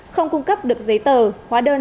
không cung cấp được giấy tờ hóa đơn